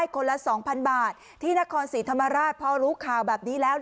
คนละ๒๐๐๐บาทที่นครศรีธรรมราชพอรู้ข่าวแบบนี้แล้ว